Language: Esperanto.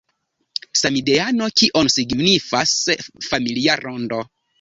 Samideano, kion signifas familia rondo